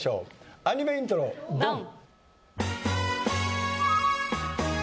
アニメイントロドン！